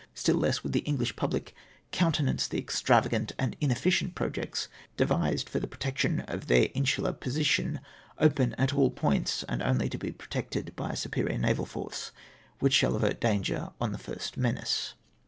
Still less would the Enghsh pubhc countenance the extrava gant and inefficient projects devised for the protection of their msular position, open at all points, and only to be protected by a superior naval force, which shall avert danger on the first menace.